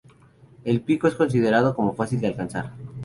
El pico es considerado como fácil de alcanzar.